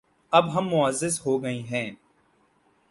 اب ہم معزز ہو گئے ہیں